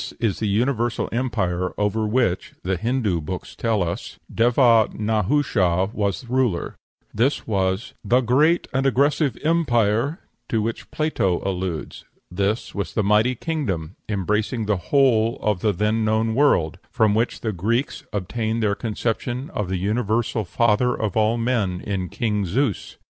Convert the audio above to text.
This is the universal empire over which, the Hindoo books tell us, Deva Nahusha was ruler; this was "the great and aggressive empire" to which Plato alludes; this was the mighty kingdom, embracing the whole of the then known world, from which the Greeks obtained their conception of the universal father of all men in King Zeus.